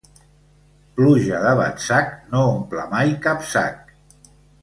Pluja de batzac no omple mai cap sac.